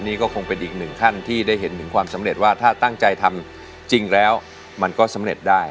นี่ก็คงเป็นอีกหนึ่งท่านที่ได้เห็นถึงความสำเร็จว่าถ้าตั้งใจทำจริงแล้วมันก็สำเร็จได้